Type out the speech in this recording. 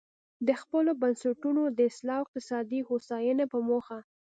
د خپلو بنسټونو د اصلاح او اقتصادي هوساینې په موخه.